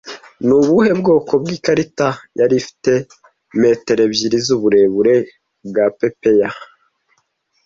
Ni ubuhe bwoko bw'ikarito yari ifite metero ebyiri z'uburebure bwa Popeye